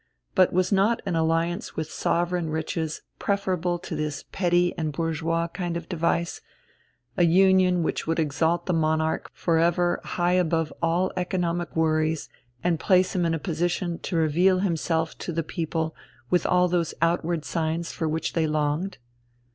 But was not an alliance with sovereign riches preferable to this petty and bourgeois kind of device a union which would exalt the monarch for ever high above all economic worries and place him in a position to reveal himself to the people with all those outward signs for which they longed?